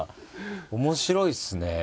面白いっすね。